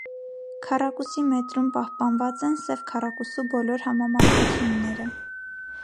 Քառակուսի մետրում պահպանված են «Սև քառակուսու» բոլոր համամասնությունները։